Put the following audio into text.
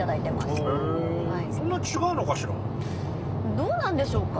どうなんでしょうか？